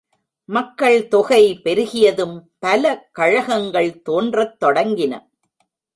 மக்கள் தொகை பெருகியதும் பல கழகங்கள் தோன்றத் தொடங்கின.